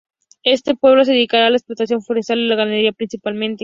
Este pueblo se dedica a la explotación forestal y la ganadería, principalmente.